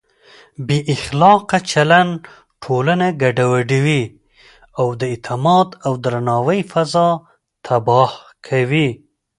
بې اخلاقه چلند ټولنه ګډوډوي او د اعتماد او درناوي فضا تباه کوي.